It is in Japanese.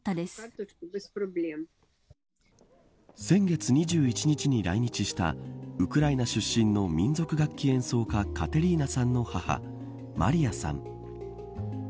先月２１日に来日したウクライナ出身の民族楽器演奏家カテリーナさんの母マリヤさん。